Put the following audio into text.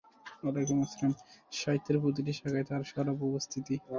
সাহিত্যের প্রতিটি শাখায় তার সরব উপস্থিতি।